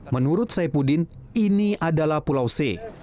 menurut saya pudin ini adalah pulau c